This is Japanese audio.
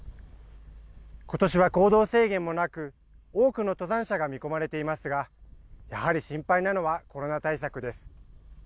ことしは行動制限もなく、多くの登山者が見込まれていますが、やはり心配なのはコロナ対策です。